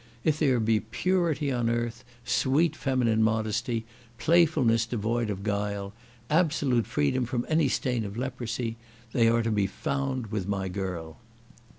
"If there be purity on earth, sweet feminine modesty, playfulness devoid of guile, absolute freedom from any stain of leprosy, they are to be found with my girl."